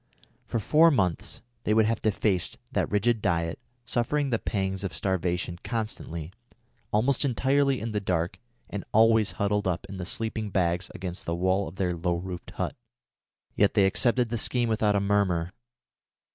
For four months they would have to face that rigid diet, suffering the pangs of starvation constantly, almost entirely in the dark, and always huddled up in the sleeping bags against the walls of their low roofed hut. Yet they accepted the scheme without a murmur.